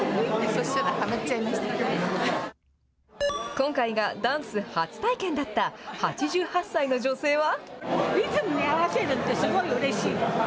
今回がダンス初体験だった８８歳の女性は。